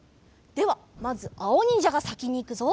ではまずあおにんじゃがさきにいくぞ。